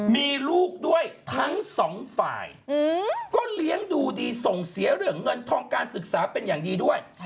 มีลูกด้วยทั้งสองฝ่ายก็เลี้ยงดูดีส่งเสียเรื่องเงินทองการศึกษาเป็นอย่างดีด้วย